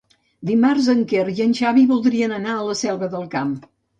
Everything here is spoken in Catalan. Dimarts en Quer i en Xavi voldrien anar a la Selva del Camp.